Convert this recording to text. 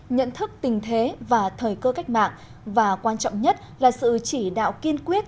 nhận thức tình thế và thời cơ cách mạng và quan trọng nhất là sự chỉ đạo kiên quyết